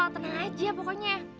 tenang aja pokoknya